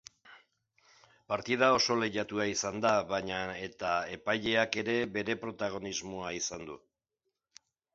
Partida oso lehiatua izan da baina eta epaileak ere bere protagonismoa izan du.